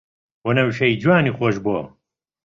وەنەوشەی جوانی خۆشبۆ